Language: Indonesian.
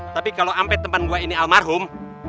tapi kalau ampet temen gua ini almarhum